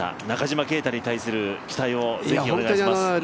中島啓太に対する期待をぜひお願いいたします。